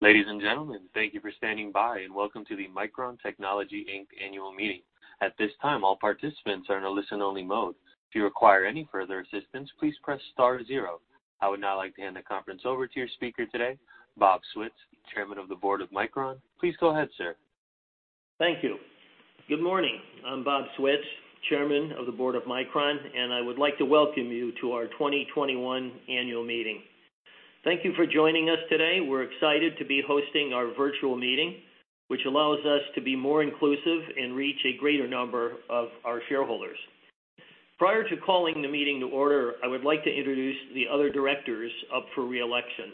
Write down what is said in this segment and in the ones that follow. Ladies and gentlemen, thank you for standing by, welcome to the Micron Technology, Inc. annual meeting. At this time, all participants are in a listen-only mode. If you require any further assistance, please press star zero. I would now like to hand the conference over to your speaker today, Bob Switz, Chairman of the Board of Micron. Please go ahead, sir. Thank you. Good morning. I'm Bob Switz, Chairman of the Board of Micron, and I would like to welcome you to our 2021 annual meeting. Thank you for joining us today. We're excited to be hosting our virtual meeting, which allows us to be more inclusive and reach a greater number of our shareholders. Prior to calling the meeting to order, I would like to introduce the other directors up for re-election.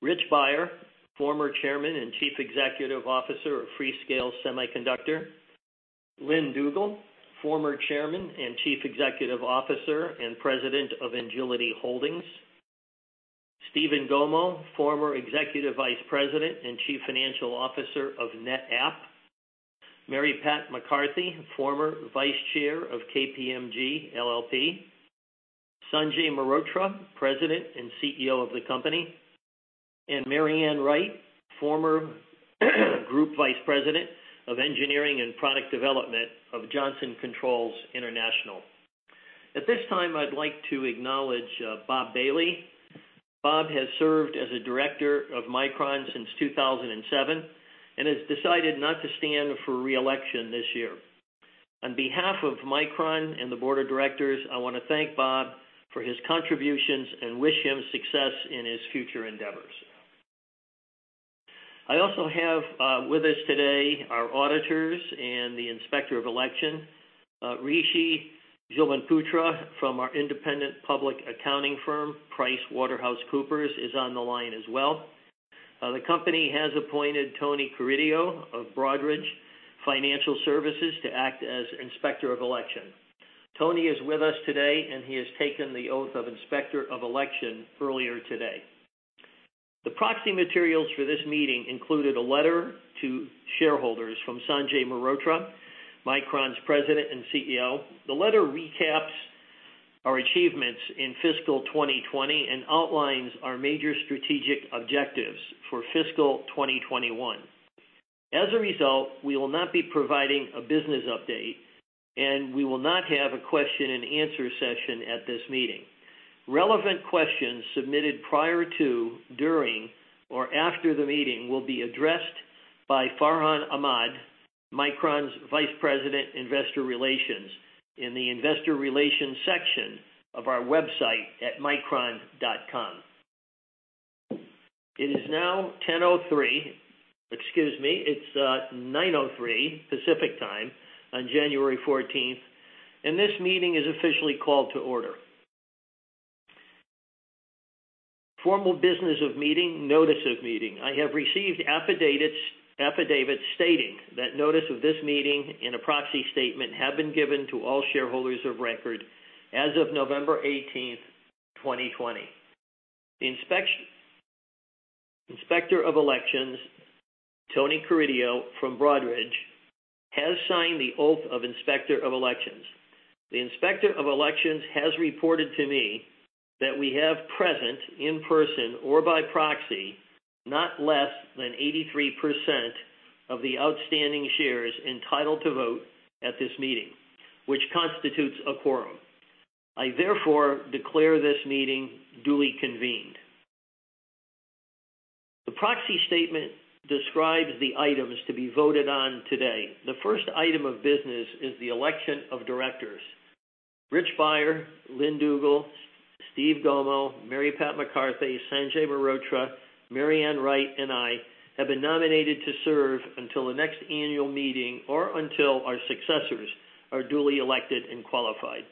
Rich Beyer, former Chairman and Chief Executive Officer of Freescale Semiconductor, Lynn Dugle, former Chairman and Chief Executive Officer and President of Engility Holdings, Steven Gomo, former Executive Vice President and Chief Financial Officer of NetApp, Mary Pat McCarthy, former Vice Chair of KPMG LLP, Sanjay Mehrotra, President and CEO of the company, and MaryAnn Wright, former Group Vice President of Engineering and Product Development of Johnson Controls International. At this time, I'd like to acknowledge Bob Bailey. Bob has served as a director of Micron since 2007 and has decided not to stand for re-election this year. On behalf of Micron and the board of directors, I want to thank Bob for his contributions and wish him success in his future endeavors. I also have with us today our auditors and the inspector of election, Rishi Jobanputra from our independent public accounting firm, PricewaterhouseCoopers, is on the line as well. The company has appointed Tony Carideo of Broadridge Financial Services to act as inspector of election. Tony is with us today, and he has taken the oath of inspector of election earlier today. The proxy materials for this meeting included a letter to shareholders from Sanjay Mehrotra, Micron's president and CEO. The letter recaps our achievements in fiscal 2020 and outlines our major strategic objectives for fiscal 2021. As a result, we will not be providing a business update, and we will not have a question and answer session at this meeting. Relevant questions submitted prior to, during, or after the meeting will be addressed by Farhan Ahmad, Micron's Vice President, Investor Relations, in the investor relations section of our website at micron.com. It is now 10:03. Excuse me, it's 9:03 Pacific Time on January 14th, and this meeting is officially called to order. Formal business of meeting, notice of meeting. I have received affidavits stating that notice of this meeting and a proxy statement have been given to all shareholders of record as of November 18th, 2020. The inspector of elections, Tony Carideo from Broadridge, has signed the oath of inspector of elections. The inspector of elections has reported to me that we have present, in person or by proxy, not less than 83% of the outstanding shares entitled to vote at this meeting, which constitutes a quorum. I therefore declare this meeting duly convened. The proxy statement describes the items to be voted on today. The first item of business is the election of directors. Rich Beyer, Lynn Dugle, Steve Gomo, Mary Pat McCarthy, Sanjay Mehrotra, MaryAnn Wright, and I have been nominated to serve until the next annual meeting or until our successors are duly elected and qualified.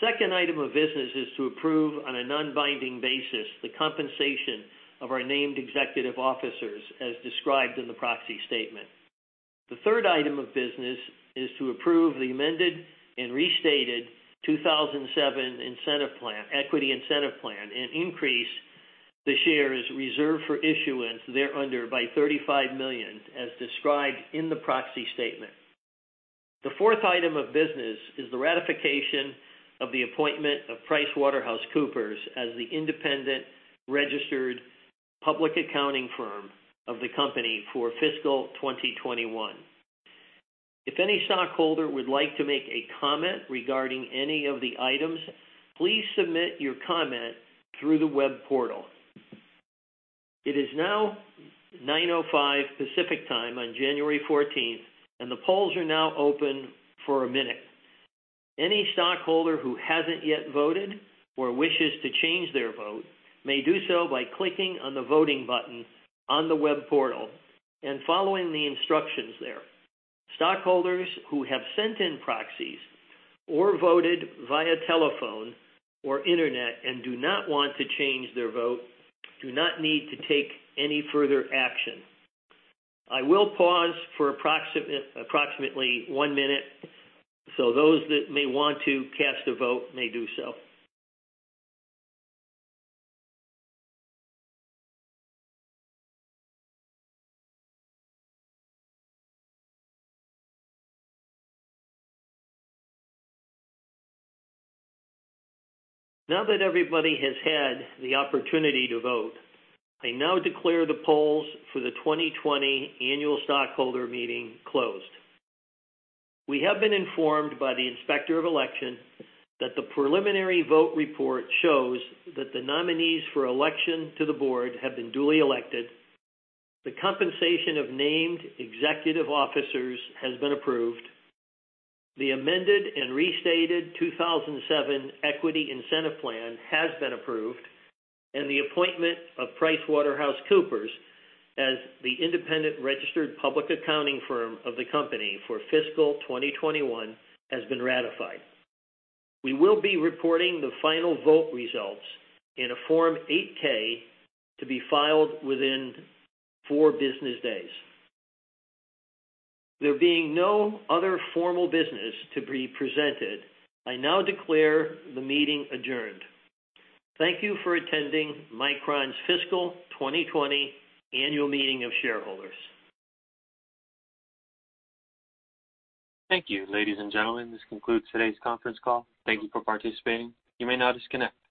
Second item of business is to approve, on an non-binding basis, the compensation of our named executive officers as described in the proxy statement. The third item of business is to approve the Amended and Restated 2007 Equity Incentive Plan and increase the shares reserved for issuance thereunder by 35 million, as described in the proxy statement. The fourth item of business is the ratification of the appointment of PricewaterhouseCoopers as the independent registered public accounting firm of the company for fiscal 2021. If any stockholder would like to make a comment regarding any of the items, please submit your comment through the web portal. It is now 9:05 Pacific Time on January 14th, and the polls are now open for one minute. Any stockholder who hasn't yet voted or wishes to change their vote may do so by clicking on the voting button on the web portal and following the instructions there. Stockholders who have sent in proxies or voted via telephone or internet and do not want to change their vote do not need to take any further action. I will pause for approximately one minute so those that may want to cast a vote may do so. Now that everybody has had the opportunity to vote, I now declare the polls for the 2020 annual stockholder meeting closed. We have been informed by the inspector of election that the preliminary vote report shows that the nominees for election to the board have been duly elected, the compensation of named executive officers has been approved, the Amended and Restated 2007 Equity Incentive Plan has been approved, and the appointment of PricewaterhouseCoopers as the independent registered public accounting firm of the company for fiscal 2021 has been ratified. We will be reporting the final vote results in a Form 8-K to be filed within four business days. There being no other formal business to be presented, I now declare the meeting adjourned. Thank you for attending Micron's fiscal 2020 annual meeting of shareholders. Thank you. Ladies and gentlemen, this concludes today's conference call. Thank you for participating. You may now disconnect.